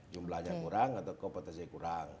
jumlahnya kurang atau kompetensi kurang